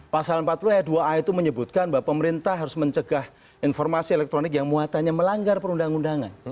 pasal empat puluh ayat dua a itu menyebutkan bahwa pemerintah harus mencegah informasi elektronik yang muatannya melanggar perundang undangan